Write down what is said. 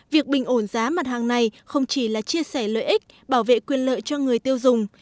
việc bình ổn giá mặt hàng này không chỉ là chia sẻ lợi ích bảo vệ quyền lợi cho người tiêu dùng